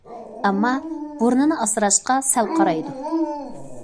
ئەمما، بۇرنىنى ئاسراشقا سەل قارايدۇ.